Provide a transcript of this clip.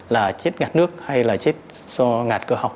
là chết ngạt nước hay là chết do ngạt cơ học